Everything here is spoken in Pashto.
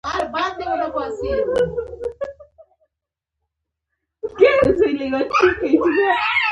سنگ مرمر د افغانستان د ښاري پراختیا سبب کېږي.